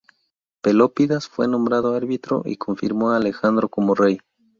Pelópidas fue nombrado árbitro y confirmó a Alejandro como rey.